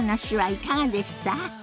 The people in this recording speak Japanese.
いかがでした？